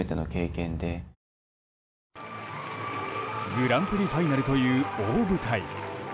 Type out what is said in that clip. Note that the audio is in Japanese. グランプリファイナルという大舞台。